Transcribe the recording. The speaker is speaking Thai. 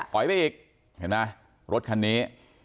ปล่อยไปอีกรถคันนี้